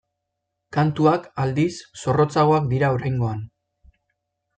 Kantuak, aldiz, zorrotzagoak dira oraingoan.